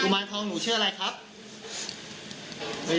ผมคุยอยู่กับใคร